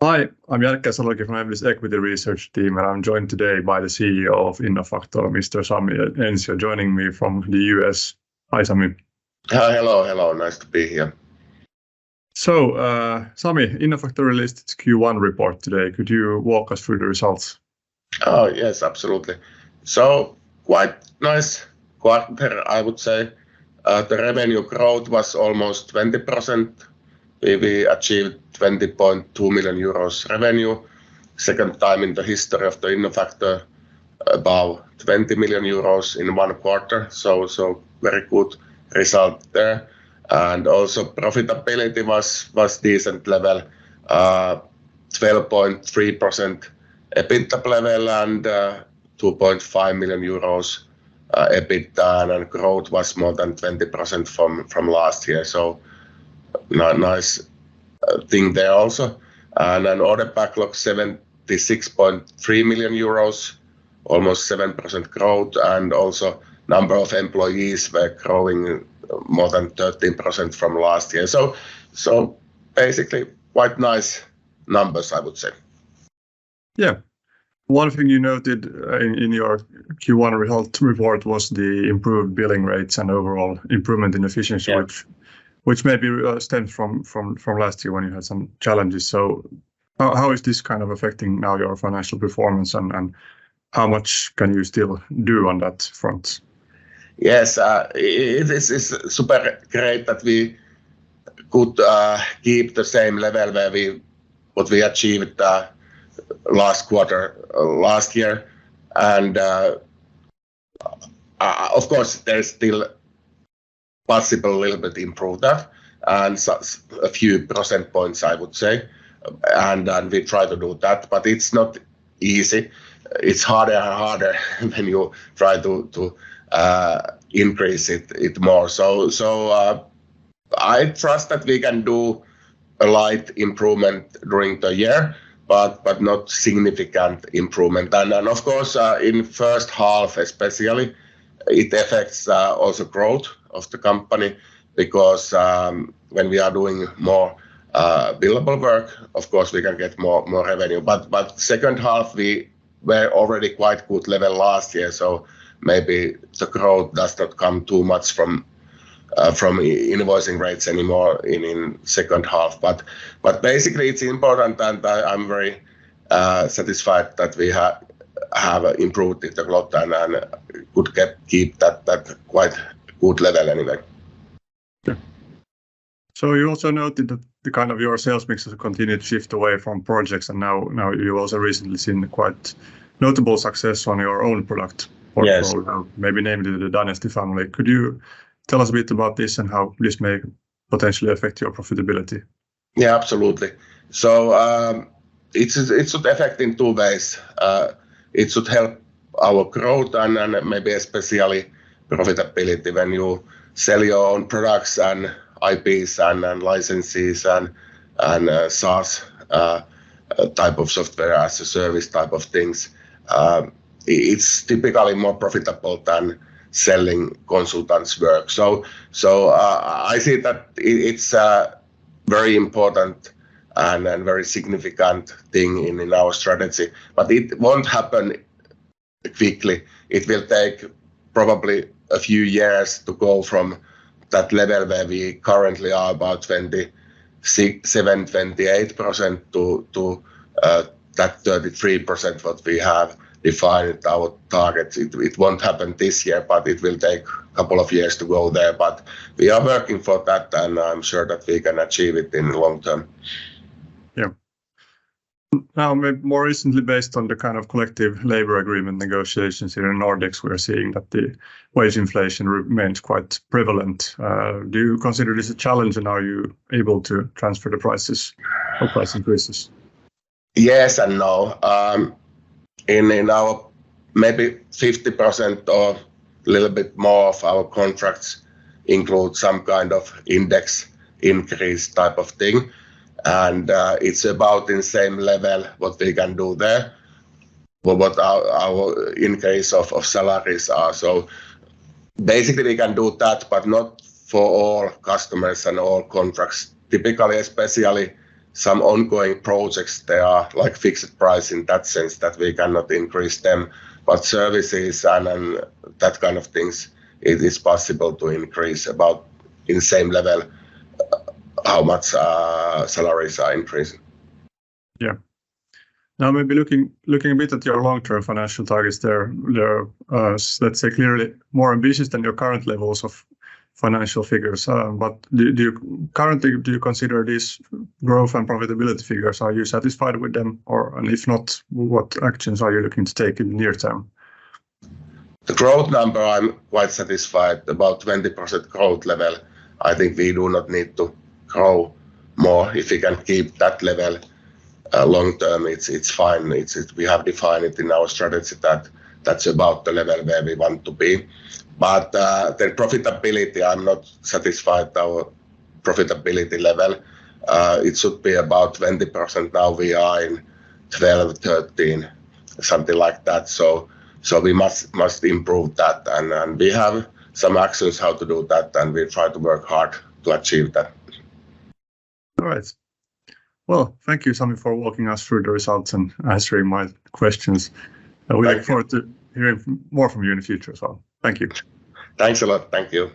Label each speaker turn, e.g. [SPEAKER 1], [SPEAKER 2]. [SPEAKER 1] Hi, I'm Jerker Salokivi from Evli's Equity Research Team. I'm joined today by the CEO of Innofactor, Mr. Sami Ensio, joining me from the U.S. Hi, Sami.
[SPEAKER 2] Hi. Hello, hello. Nice to be here.
[SPEAKER 1] Sami, Innofactor released its Q1 report today. Could you walk us through the results?
[SPEAKER 2] Yes, absolutely. Quite nice quarter, I would say. The revenue growth was almost 20%. We achieved 20.2 million euros revenue. Second time in the history of Innofactor, about 20 million in one quarter. Very good result there. Also profitability was decent level. 12.3% EBITDA level and 2.5 million euros EBITDA. Growth was more than 20% from last year, so nice thing there also. An order backlog 76.3 million euros, almost 7% growth, and also number of employees were growing more than 13% from last year. Basically quite nice numbers, I would say.
[SPEAKER 1] Yeah. One thing you noted in your Q1 result report was the improved billing rates and overall improvement in efficiency-
[SPEAKER 2] Yeah
[SPEAKER 1] which maybe stemmed from last year when you had some challenges. How is this kind of affecting now your financial performance and how much can you still do on that front?
[SPEAKER 2] Yes. This is super great that we could keep the same level what we achieved last quarter last year. Of course, there's still possible a little bit improve that, and so a few percentage points, I would say, and we try to do that, but it's not easy. It's harder and harder when you try to increase it more. I trust that we can do a light improvement during the year, but not significant improvement. Of course, in first half especially, it affects also growth of the company because, when we are doing more, billable work, of course, we can get more revenue. Second half, we were already quite good level last year, so maybe the growth does not come too much from invoicing rates anymore in second half. Basically it's important, and I'm very satisfied that we have improved it a lot and could keep that quite good level anyway.
[SPEAKER 1] Yeah. You also noted that the kind of your sales mix has continued to shift away from projects and now you've also recently seen quite notable success on your own product portfolio.
[SPEAKER 2] Yes
[SPEAKER 1] maybe namely the Dynasty family. Could you tell us a bit about this and how this may potentially affect your profitability?
[SPEAKER 2] Yeah, absolutely. It's effect in two ways. It should help our growth and maybe especially profitability when you sell your own products and IPs and licenses and SaaS type of software as a service type of things. It's typically more profitable than selling consultants' work. I see that it's a very important and very significant thing in our strategy, but it won't happen quickly. It will take probably a few years to go from that level where we currently are, about 27%-28% to that 33% what we have defined our targets. It won't happen this year, but it will take a couple of years to go there. We are working for that, and I'm sure that we can achieve it in long term.
[SPEAKER 1] Yeah. Now, more recently, based on the kind of collective labor agreement negotiations here in Nordics, we are seeing that the wage inflation remains quite prevalent. Do you consider this a challenge, and are you able to transfer the prices or price increases?
[SPEAKER 2] Yes and no. In our maybe 50% or a little bit more of our contracts include some kind of index increase type of thing, and it's about in the same level what we can do there for what our increase of salaries are. Basically we can do that, but not for all customers and all contracts. Typically, especially some ongoing projects, they are like fixed price in that sense that we cannot increase them. Services and that kind of things, it is possible to increase about in the same level how much salaries are increased.
[SPEAKER 1] Yeah. Now maybe looking a bit at your long-term financial targets, they're, let's say clearly more ambitious than your current levels of financial figures. Do you currently consider these growth and profitability figures? Are you satisfied with them? If not, what actions are you looking to take in the near term?
[SPEAKER 2] The growth number, I'm quite satisfied. About 20% growth level, I think we do not need to grow more. If we can keep that level long term, it's fine. We have defined it in our strategy that that's about the level where we want to be. The profitability, I'm not satisfied our profitability level. It should be about 20%. Now we are in 12%, 13%, something like that. We must improve that. We have some actions how to do that, and we try to work hard to achieve that.
[SPEAKER 1] All right. Well, thank you, Sami, for walking us through the results and answering my questions.
[SPEAKER 2] Thank you.
[SPEAKER 1] We look forward to hearing more from you in the future as well. Thank you.
[SPEAKER 2] Thanks a lot. Thank you.